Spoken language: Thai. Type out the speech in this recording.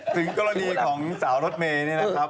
ถึงกรณีของสาวรถเมย์นี่นะครับ